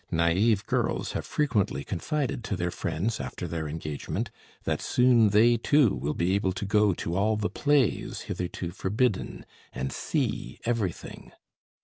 Naive girls have frequently confided to their friends after their engagement that soon they, too, will be able to go to all the plays hitherto forbidden, and see everything.